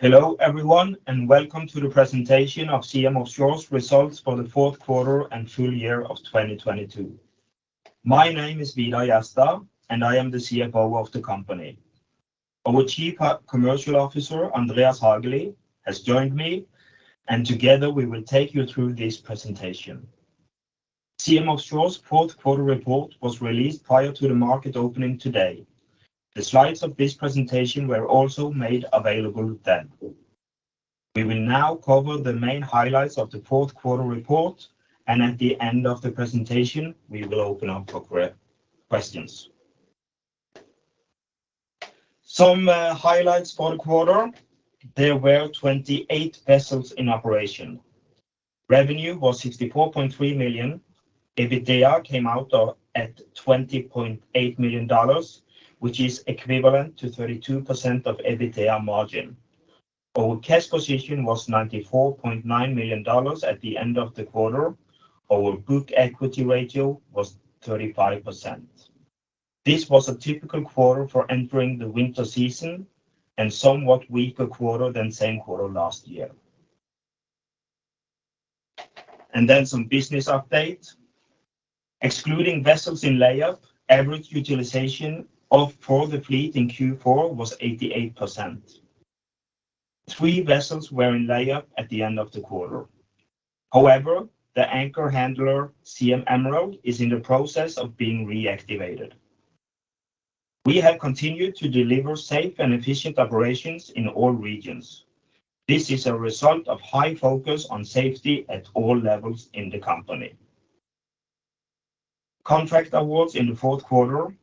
Hello everyone and welcome to the presentation of Siem Offshore's results for the fourth quarter and full year of 2022. My name is Vidar Jerstad, and I am the CFO of the company. Our Chief Commercial Officer, Andreas Hageli, has joined me, and together we will take you through this presentation. Siem Offshore's fourth quarter report was released prior to the market opening today. The slides of this presentation were also made available then. We will now cover the main highlights of the fourth quarter report and at the end of the presentation, we will open up for questions. Some highlights for the quarter. There were 28 vessels in operation. Revenue was $64.3 million. EBITDA came out at $20.8 million which is equivalent to 32% of EBITDA margin. Our cash position was $94.9 million at the end of the quarter. Our book equity ratio was 35%. This was a typical quarter for entering the winter season and somewhat weaker quarter than same quarter last year. Some business update. Excluding vessels in layup, average utilization for the fleet in Q4 was 88%. Three vessels were in layup at the end of the quarter. However, the anchor handler, SIEM SYMPHONY, is in the process of being reactivated. We have continued to deliver safe and efficient operations in all regions. This is a result of high focus on safety at all levels in the company. Contract awards in the fourth quarter.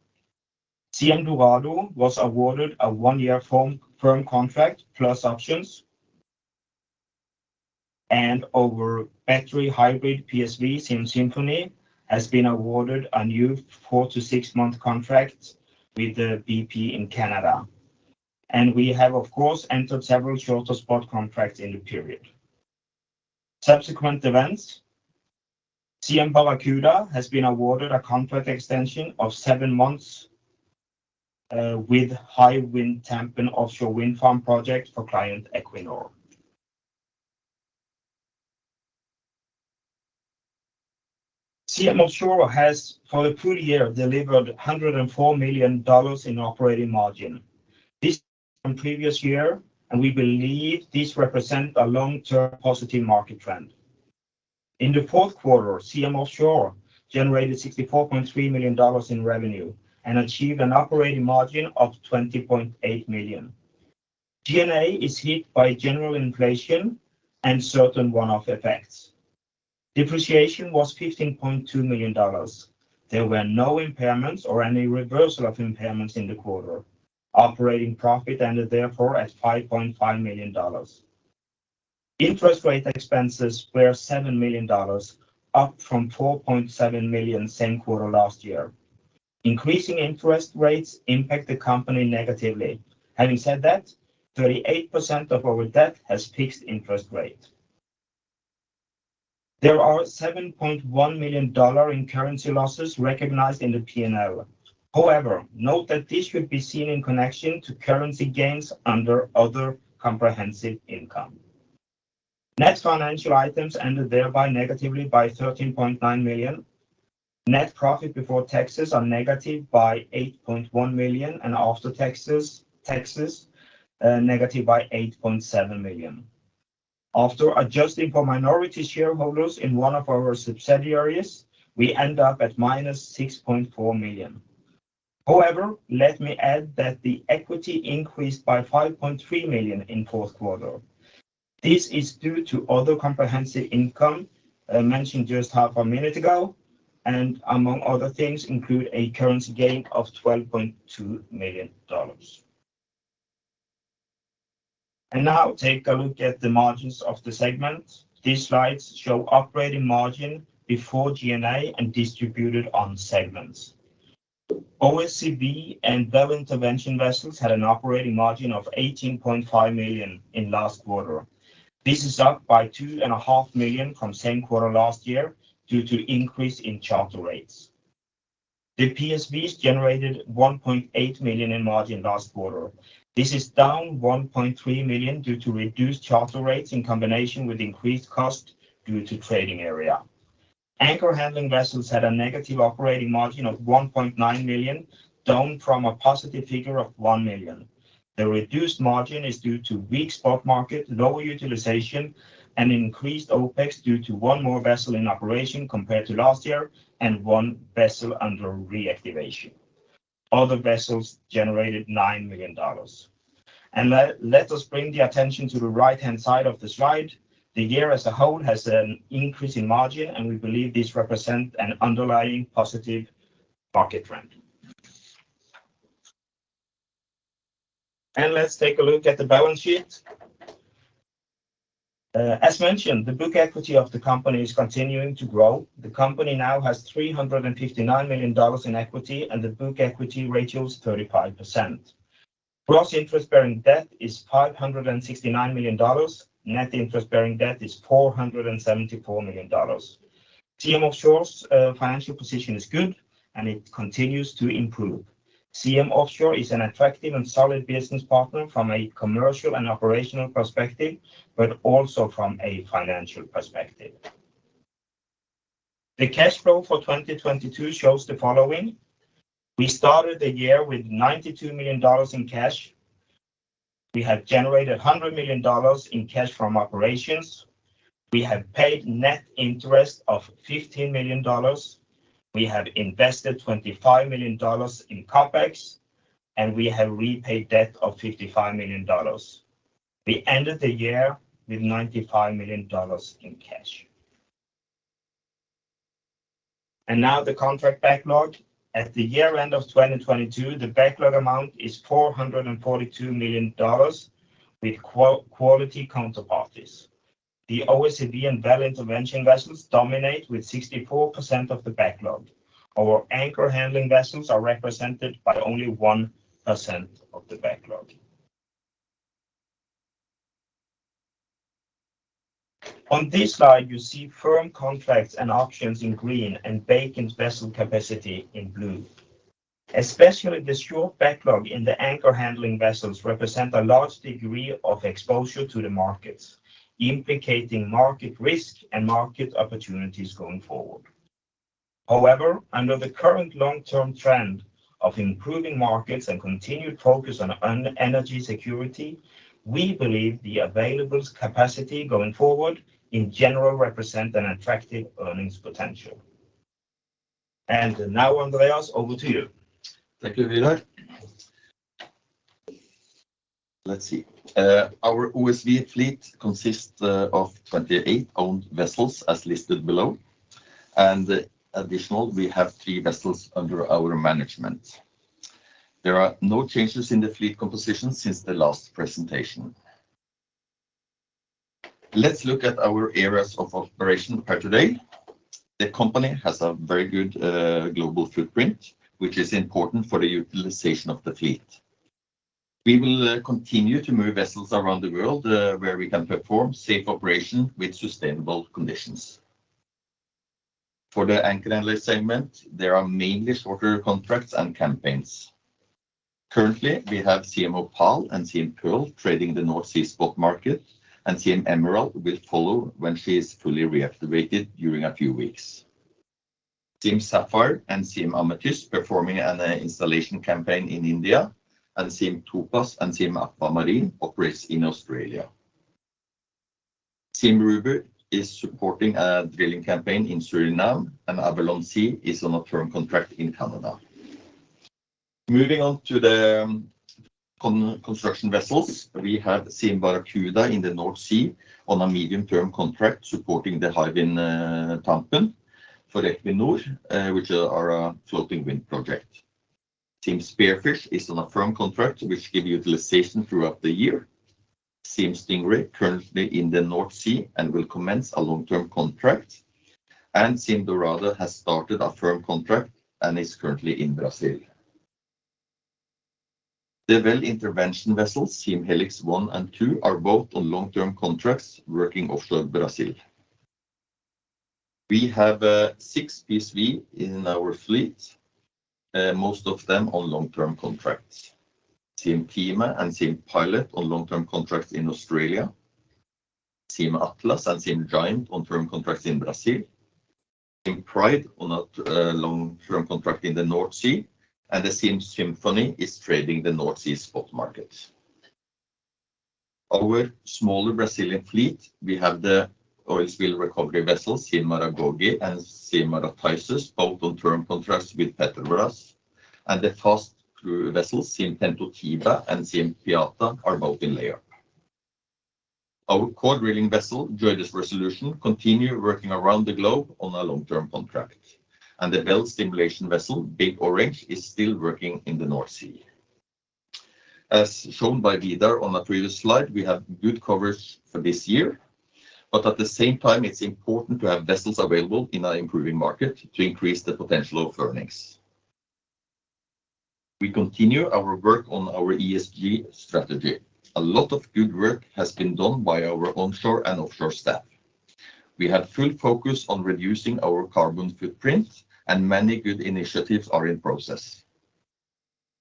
Siem Dorado was awarded a one-year firm contract plus options. Our battery hybrid PSV, SIEM SYMPHONY, has been awarded a new four-six month contract with BP in Canada. We have, of course, entered several shorter spot contracts in the period. Subsequent events. Siem Barracuda has been awarded a contract extension of seven months with Hywind Tampen offshore wind farm project for client Equinor. Siem Offshore has for the full year delivered $104 million in operating margin. This from previous year, and we believe this represent a long-term positive market trend. In the fourth quarter, Siem Offshore generated $64.3 million in revenue and achieved an operating margin of $20.8 million. G&A is hit by general inflation and certain one-off effects. Depreciation was $15.2 million. There were no impairments or any reversal of impairments in the quarter. Operating profit ended therefore at $5.5 million. Interest rate expenses were $7 million, up from $4.7 million same quarter last year. Increasing interest rates impact the company negatively. Having said that, 38% of our debt has fixed interest rate. There are $7.1 million in currency losses recognized in the P&L. Note that this should be seen in connection to currency gains under other comprehensive income. Net financial items ended thereby negatively by $13.9 million. Net profit before taxes are negative by $8.1 million and after taxes, negative by $8.7 million. After adjusting for minority shareholders in one of our subsidiaries, we end up at -$6.4 million. Let me add that the equity increased by $5.3 million in fourth quarter. This is due to other comprehensive income, mentioned just half a minute ago, and among other things include a currency gain of $12.2 million. Now take a look at the margins of the segment. These slides show operating margin before G&A and distributed on segments. OSCV and Well Intervention vessels had an operating margin of $18.5 million in last quarter. This is up by $2.5 million from same quarter last year due to increase in charter rates. The PSVs generated $1.8 million in margin last quarter. This is down $1.3 million due to reduced charter rates in combination with increased cost due to trading area. anchor handling vessels had a negative operating margin of $1.9 million, down from a positive figure of $1 million. The reduced margin is due to weak spot market, lower utilization, and increased OpEx due to one more vessel in operation compared to last year and one vessel under reactivation. Other vessels generated $9 million. Let us bring the attention to the right-hand side of the slide. The year as a whole has an increase in margin, and we believe this represent an underlying positive market trend. Let's take a look at the balance sheet. As mentioned, the book equity of the company is continuing to grow. The company now has $359 million in equity, and the book equity ratio is 35%. Gross interest-bearing debt is $569 million. Net interest-bearing debt is $474 million. Siem Offshore's financial position is good, and it continues to improve. Siem Offshore is an attractive and solid business partner from a commercial and operational perspective, but also from a financial perspective. The cash flow for 2022 shows the following. We started the year with $92 million in cash. We have generated $100 million in cash from operations. We have paid net interest of $15 million. We have invested $25 million in CapEx. We have repaid debt of $55 million. We ended the year with $95 million in cash. Now the contract backlog. At the year end of 2022, the backlog amount is $442 million with quality counterparties. The OSV and well intervention vessels dominate with 64% of the backlog. Our anchor handling vessels are represented by only 1% of the backlog. On this slide, you see firm contracts and options in green and vacant vessel capacity in blue. Especially the short backlog in the anchor handling vessels represent a large degree of exposure to the markets, implicating market risk and market opportunities going forward. However, under the current long-term trend of improving markets and continued focus on energy security, we believe the available capacity going forward in general represent an attractive earnings potential. Now, Andreas, over to you. Thank you, Vidar. Let's see. Our OSV fleet consists of 28 owned vessels as listed below, and additional we have 3 vessels under our management. There are no changes in the fleet composition since the last presentation. Let's look at our areas of operation per today. The company has a very good global footprint, which is important for the utilization of the fleet. We will continue to move vessels around the world, where we can perform safe operation with sustainable conditions. For the anchor handler segment, there are mainly shorter contracts and campaigns. Currently, we have Siem Opal and Siem Pearl trading the North Sea spot market, and Siem Emerald will follow when she is fully reactivated during a few weeks. Siem Sapphire and Siem Amethyst performing an installation campaign in India, and Siem Topaz and Siem Aquamarine operates in Australia. Siem Ruby is supporting a drilling campaign in Suriname. Avalon Sea is on a firm contract in Canada. Moving on to the construction vessels. We have Siem Barracuda in the North Sea on a medium-term contract supporting the Hywind Tampen for Equinor, which are a floating wind project. Siem Spearfish is on a firm contract which give utilization throughout the year. Siem Stingray currently in the North Sea and will commence a long-term contract. Siem Dorado has started a firm contract and is currently in Brazil. The Well Intervention vessels, Siem Helix 1 and 2, are both on long-term contracts working offshore Brazil. We have six PSV in our fleet, most of them on long-term contracts. Siem Thiima and Siem Pilot on long-term contracts in Australia. Siem Atlas and Siem Giant on firm contracts in Brazil. Siem Pride on a long-term contract in the North Sea. The Siem Symphony is trading the North Sea spot market. Our smaller Brazilian fleet, we have the oil spill recovery vessel, Siem Maragogi and Siem Marataizes, both on firm contracts with Petrobras. The fast crew vessels, Siem Pendotiba and Siem Piata, are both in layup. Our core drilling vessel, JOIDES Resolution, continue working around the globe on a long-term contract. The well stimulation vessel, Big Orange, is still working in the North Sea. As shown by Vidar on a previous slide, we have good coverage for this year. At the same time, it's important to have vessels available in an improving market to increase the potential of earnings. We continue our work on our ESG strategy. A lot of good work has been done by our onshore and offshore staff. We have full focus on reducing our carbon footprint and many good initiatives are in process.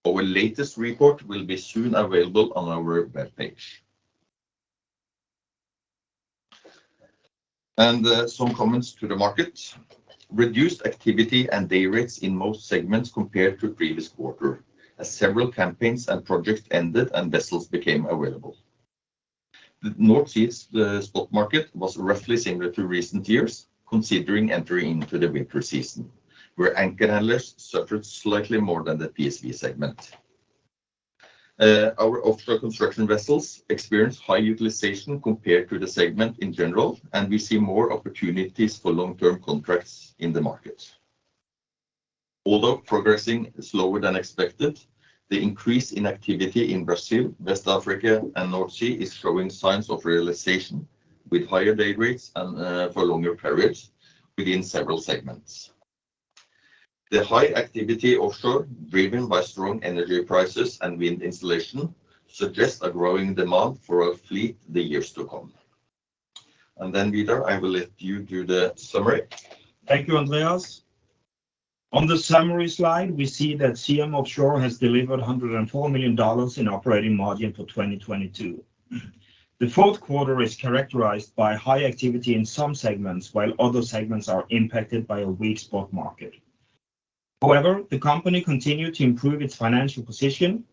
Our latest report will be soon available on our webpage. Some comments to the market. Reduced activity and day rates in most segments compared to previous quarter, as several campaigns and projects ended, and vessels became available. The North Sea spot market was roughly similar to recent years, considering entering into the winter season, where anchor handlers suffered slightly more than the PSV segment. Our offshore construction vessels experienced high utilization compared to the segment in general, and we see more opportunities for long-term contracts in the market. Although progressing slower than expected, the increase in activity in Brazil, West Africa and North Sea is showing signs of realization with higher day rates and for longer periods within several segments. The high activity offshore driven by strong energy prices and wind installation suggest a growing demand for our fleet the years to come. Vidar, I will let you do the summary. Thank you, Andreas. On the summary slide, we see that Siem Offshore has delivered $104 million in operating margin for 2022. The fourth quarter is characterized by high activity in some segments, while other segments are impacted by a weak spot market. However, the company continued to improve its financial position.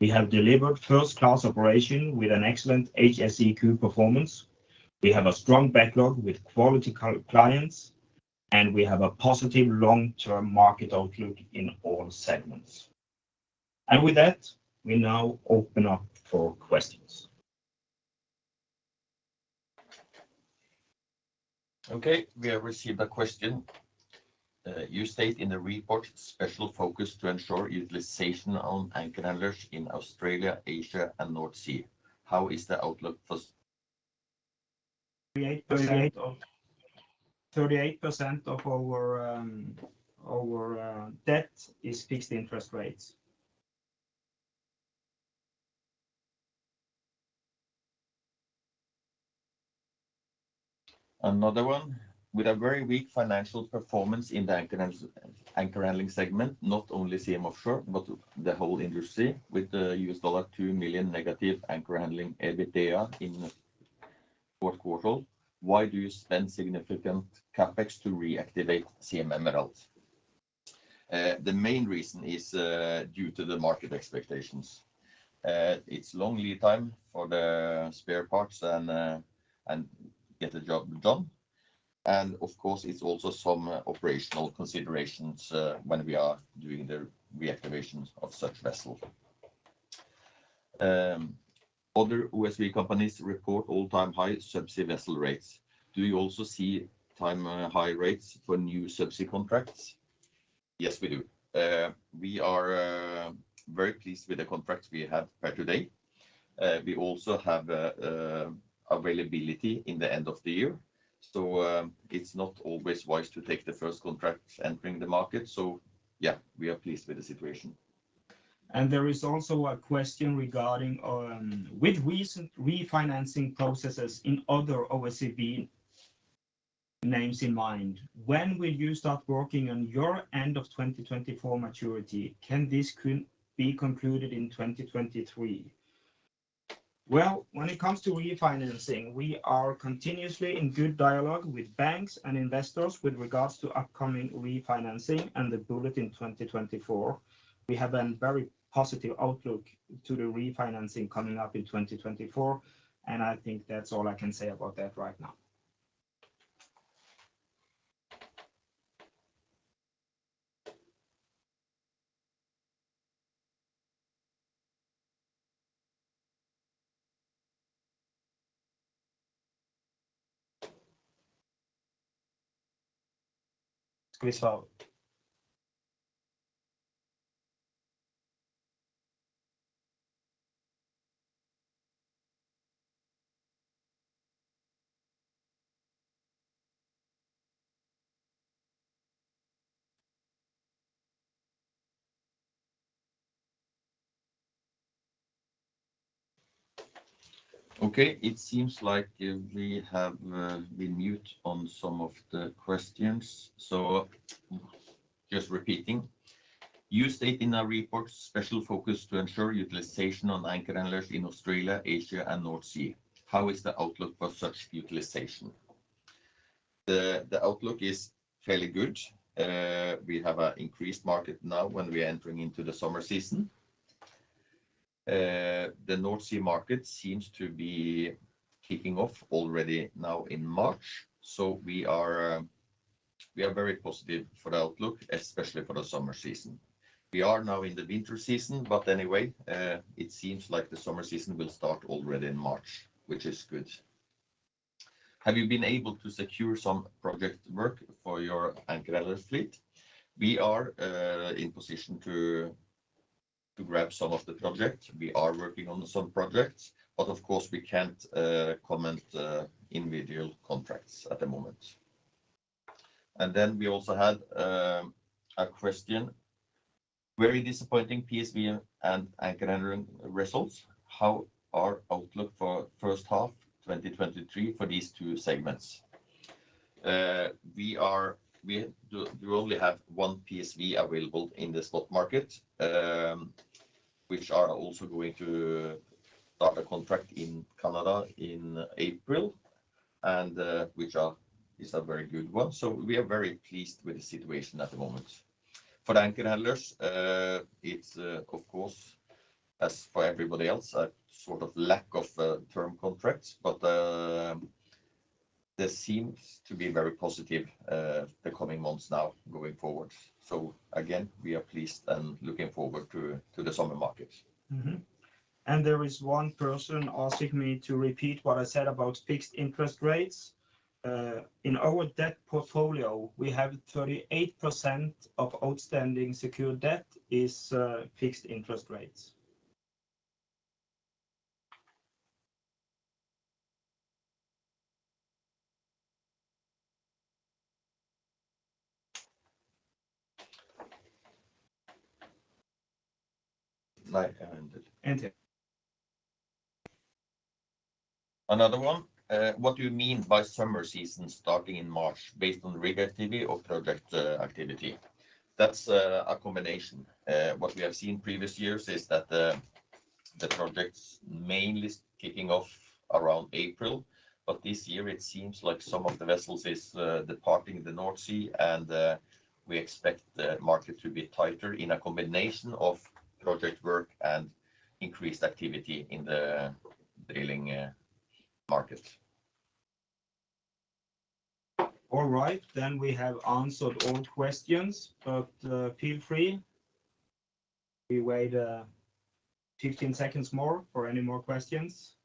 We have delivered first-class operation with an excellent HSEQ performance. We have a strong backlog with quality clients, and we have a positive long-term market outlook in all segments. With that, we now open up for questions. Okay, we have received a question. You state in the report special focus to ensure utilization on anchor handlers in Australia, Asia, and North Sea. How is the outlook? 38%. Thirty-eight. 38% of our debt is fixed interest rates. Another one. With a very weak financial performance in the anchor handling segment, not only Siem Offshore but the whole industry with the US dollar $2 million negative anchor handling EBITDA in fourth quarter, why do you spend significant CapEx to reactivate Siem Emerald? The main reason is due to the market expectations. It's long lead time for the spare parts and get the job done. Of course it's also some operational considerations when we are doing the reactivation of such vessel. Other OSV companies report all-time high subsea vessel rates. Do you also see time high rates for new subsea contracts? Yes, we do. We are very pleased with the contracts we have per today. We also have availability in the end of the year, so it's not always wise to take the first contract entering the market. Yeah, we are pleased with the situation. There is also a question regarding, with recent refinancing processes in other OSV names in mind, when will you start working on your end of 2024 maturity? Can this be concluded in 2023? Well, when it comes to refinancing, we are continuously in good dialogue with banks and investors with regards to upcoming refinancing and the bullet in 2024. We have a very positive outlook to the refinancing coming up in 2024, and I think that's all I can say about that right now. Please follow up. Okay, it seems like we have been mute on some of the questions, so just repeating. You state in our report special focus to ensure utilization on anchor handlers in Australia, Asia, and North Sea. How is the outlook for such utilization? The outlook is fairly good. We have an increased market now when we're entering into the summer season. The North Sea market seems to be kicking off already now in March, so we are very positive for the outlook, especially for the summer season. We are now in the winter season, but anyway, it seems like the summer season will start already in March, which is good. Have you been able to secure some project work for your anchor handler fleet? We are in position to grab some of the projects. We are working on some projects, but of course, we can't comment individual contracts at the moment. We also had a question. Very disappointing PSV and anchor handling results. How are outlook for first half 2023 for these two segments? We only have one PSV available in the spot market, which are also going to start a contract in Canada in April, and which is a very good one. We are very pleased with the situation at the moment. For the anchor handlers, it's, of course, as for everybody else, a sort of lack of term contracts. This seems to be very positive, the coming months now going forward. Again, we are pleased and looking forward to the summer markets. There is one person asking me to repeat what I said about fixed interest rates. In our debt portfolio, we have 38% of outstanding secure debt is fixed interest rates. Like I ended. Ended. Another one. What do you mean by summer season starting in March based on rig activity or project activity? That's a combination. What we have seen previous years is that the projects mainly kicking off around April. This year it seems like some of the vessels is departing the North Sea. We expect the market to be tighter in a combination of project work and increased activity in the drilling market. All right. We have answered all questions, feel free. We wait, 15 seconds more for any more questions.